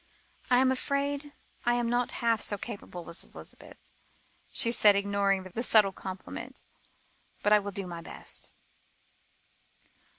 "I am afraid I am not half so capable as Elizabeth," she said, ignoring the subtle compliment, "but I will do my best."